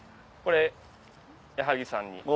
これ矢作さんに。